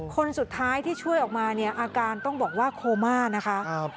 คนสุดท้ายที่ช่วยออกมาเนี่ยอาการต้องบอกว่าโคม่านะคะ